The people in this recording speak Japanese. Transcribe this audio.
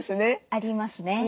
ありますね。